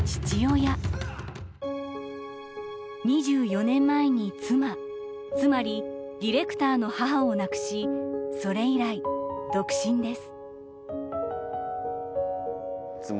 ２４年前に妻つまりディレクターの母を亡くしそれ以来独身です。